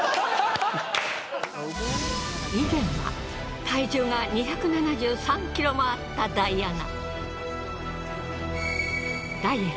以前は体重が２７３ｋｇもあったダイアナ。